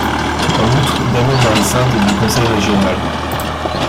En outre, Daniel Marie-Sainte est du conseil régional.